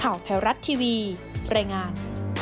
ข่าวแท้รัฐทีวีแปรงาน